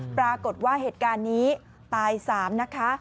ปรากฏว่าเหตุการณ์นี้ตาย๓นะคะ